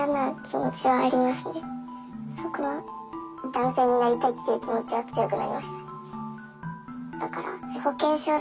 男性になりたいっていう気持ちは強くなりました。